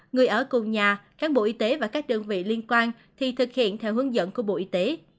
người ở cùng nhà cán bộ y tế và các đơn vị liên quan thì thực hiện theo hướng dẫn của bộ y tế